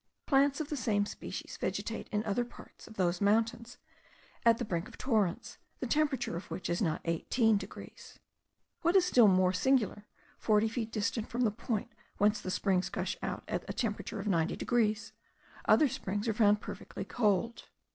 Plants of the same species vegetate in other parts of those mountains at the brink of torrents, the temperature of which is not 18 degrees. What is still more singular, forty feet distant from the point whence the springs gush out at a temperature of 90 degrees, other springs are found perfectly cold.